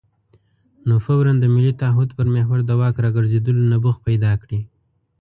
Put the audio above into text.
نو فوراً د ملي تعهد پر محور د واک راګرځېدلو نبوغ پیدا کړي.